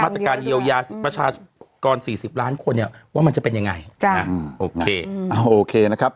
ตรการเยียวยาประชากรสี่สิบล้านคนเนี่ยว่ามันจะเป็นยังไงจ้ะโอเคอ่าโอเคโอเคนะครับ